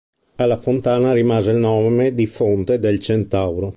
Alla fontana rimase il nome di Fonte del Centauro.